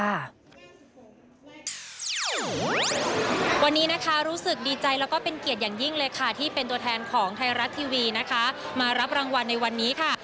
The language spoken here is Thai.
วันนี้นะคะรู้สึกดีใจแล้วก็เป็นเกียรติอย่างยิ่งเลยค่ะที่เป็นตัวแทนของไทยรัฐทีวีนะคะมารับรางวัลในวันนี้ค่ะ